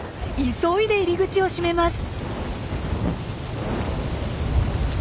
急いで入り口を閉めます。